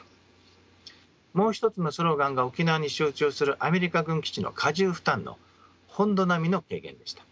もう一つのスローガンが沖縄に集中するアメリカ軍基地の過重負担の本土並みの軽減でした。